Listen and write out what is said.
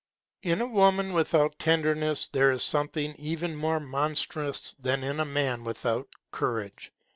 In a woman without tenderness there is something even more monstrous than in a man without courage.